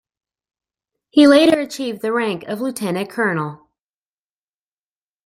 He later achieved the rank of lieutenant-colonel.